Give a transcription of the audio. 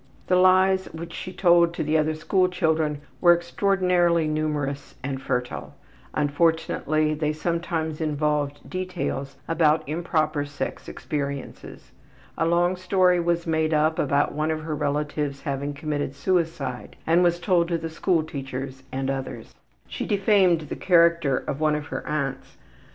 The lies which she told to the other school children were extraordinarily numerous and fertile; unfortunately they sometimes involved details about improper sex experiences. A long story was made up about one of her relatives having committed suicide and was told to the school teachers and others. She defamed the character of one of her aunts.